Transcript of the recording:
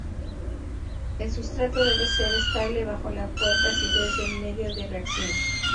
El sustrato debe ser estable bajo la fuerte acidez del medio de reacción.